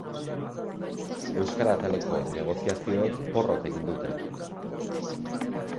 Euskara ataleko negoziazioek porrot egin dute.